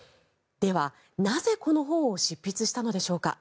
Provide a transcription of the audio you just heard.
では、なぜこの本を執筆したのでしょうか。